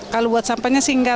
kalau buat sampahnya sih enggak